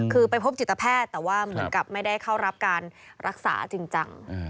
คือไปพบจิตแพทย์แต่ว่าเหมือนกับไม่ได้เข้ารับการรักษาจริงจัง